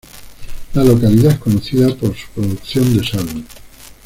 La localidad es conocida por su producción de sal.